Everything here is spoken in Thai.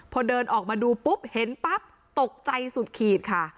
พอเดินออกมาดูปุ๊บเห็นปั๊บตกใจสุดขีดค่ะ